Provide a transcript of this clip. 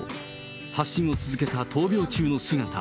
発信を続けた闘病中の姿。